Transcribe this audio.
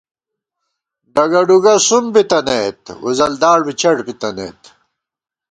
ڈگہ ڈُگہ سُم بِتَنَئیت ، وُزلداڑ بی چٹ بِتَنَئیت